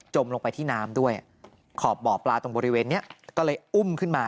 ลงไปที่น้ำด้วยขอบบ่อปลาตรงบริเวณนี้ก็เลยอุ้มขึ้นมา